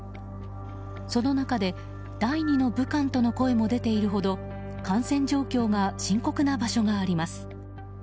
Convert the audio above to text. その中で第２の武漢との声も出ているほど感染状況が深刻な場所があります。